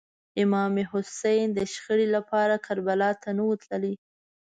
امام حسین د شخړې لپاره کربلا ته نه و تللی.